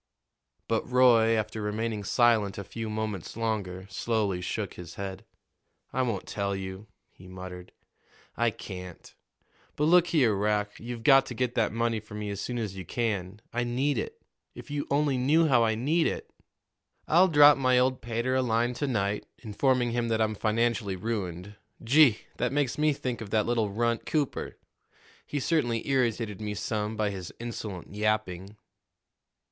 But Roy, after remaining silent a few moments longer, slowly shook his head. "I won't tell you," he muttered; "I can't. But look here, Rack, you've got to get that money for me as soon as you can. I need it if you only knew how I need it!" "I'll drop my old pater a line to night, informing him that I'm financially ruined. Gee! that makes me think of that little runt, Cooper! He certainly irritated me some by his insolent yapping."